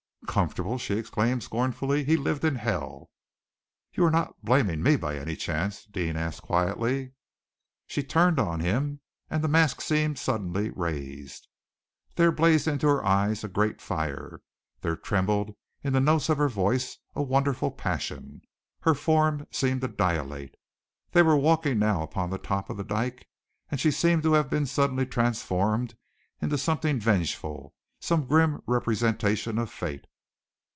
"Comfortable!" she exclaimed scornfully. "He lived in hell!" "You are not blaming me, by any chance?" Deane asked quietly. She turned upon him, and the mask seemed suddenly raised. There blazed into her eyes a great fire. There trembled in the notes of her voice a wonderful passion. Her form seemed to dilate. They were walking now upon the top of the dyke, and she seemed to have been suddenly transformed into something vengeful, some grim representation of Fate.